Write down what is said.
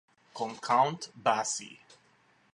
Con Count Basie